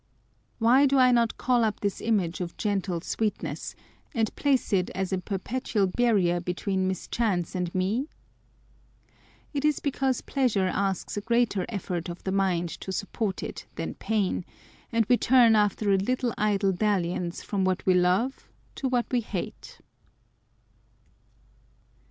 Why do I not call up this image of gentle sweetness, and place it as a perpetual barrier between mischance and me ? â€" It is because pleasure asks a greater effort of the mind to sup port it than pain ; and we turn after a little idle dalliance from what we love to what we hate